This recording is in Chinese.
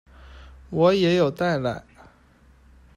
我也有带来